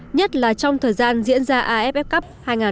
nhất là trong thời gian diễn ra aff cup hai nghìn một mươi chín